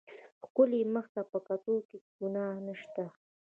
ښکلي مخ ته په کتو کښې ګناه نشته.